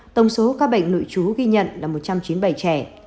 tổng số ca bệnh nội trú ghi nhận là một trăm chín mươi bảy trẻ